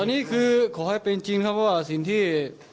อันนี้คือขอให้เป็นจริงครับเพราะว่าสิ่งที่